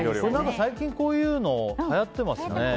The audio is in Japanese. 最近、こういうのはやってますね。